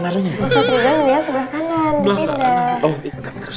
aduh aduh aduh aduh